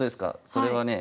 それはね